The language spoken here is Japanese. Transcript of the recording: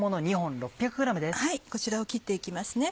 こちらを切って行きますね。